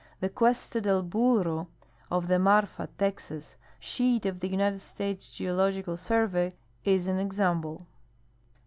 The Cuesta del Burro of tlie Marfa, Texas, sheet of the United States Geological Survey is an example.